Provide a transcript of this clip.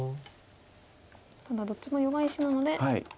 ただどっちも弱い石なので。